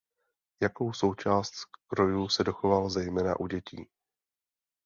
Jakou součást krojů se dochoval zejména u dětí.